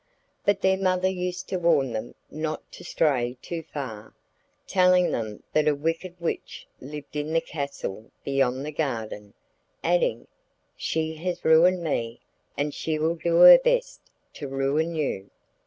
But their mother used to warn them not to stray too far, telling them that a wicked witch lived in the castle beyond the garden, adding, 'She has ruined me, and she will do her best to ruin you.